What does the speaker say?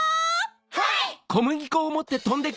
はい！